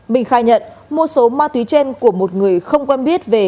minh khai nhận mua số ma túy trên của một người không quen biết về để bán kiếm lời